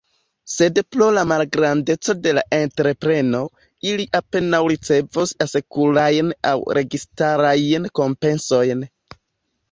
Sed pro la malgrandeco de la entrepreno, ili apenaŭ ricevos asekurajn aŭ registarajn kompensojn.